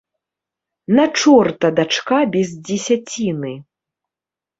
На чорта дачка без дзесяціны!